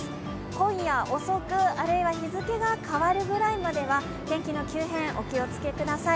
今夜遅く、あるいは日付が変わるぐらいまでは天気の急変お気をつけください。